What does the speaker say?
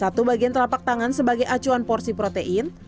satu bagian telapak tangan sebagai acuan porsi protein